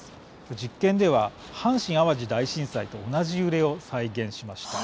実験では阪神・淡路大震災と同じ揺れを再現しました。